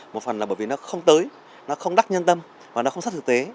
một phần là bởi vì nó không tới nó không đắc nhân tâm và nó không sát thực tế